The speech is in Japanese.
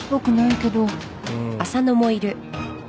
うん。